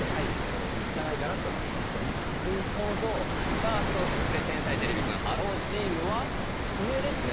さあそして天才てれびくんｈｅｌｌｏ，チームは上ですね。